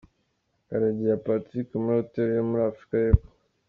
Karegeya Patrick muri Hotel yo muri Afrika y’epfo